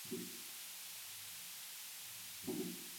은희의 고운 노래 소리가 곱게 들려왔습니다.